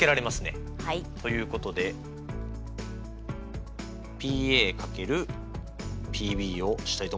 ということでＰ×Ｐをしたいと思います。